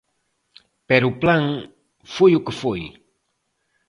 Pero o plan foi o que foi.